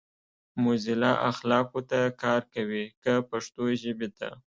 موزیلا اخلاقو ته کار کوي کۀ پښتو ژبې ته؟